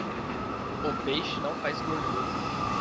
O peixe não faz gordura.